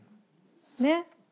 ねっ？